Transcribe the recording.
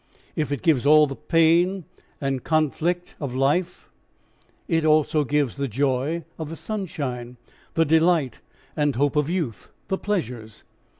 If it gives all the pain and conflict of life, it gives also the joy of the sunshine, the delight and hope of youth, the pleasures.